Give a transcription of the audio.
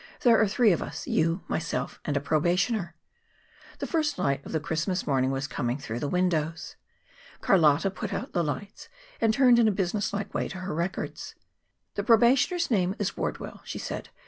There are three of us you, myself, and a probationer." The first light of the Christmas morning was coming through the windows. Carlotta put out the lights and turned in a business like way to her records. "The probationer's name is Wardwell," she said.